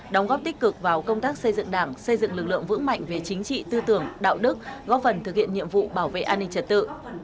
đóng góp tích cực vào công tác xây dựng đảng xây dựng lực lượng vững mạnh về chính trị tư tưởng đạo đức góp phần thực hiện nhiệm vụ bảo vệ an ninh trật tự